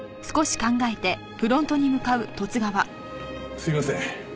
すいません。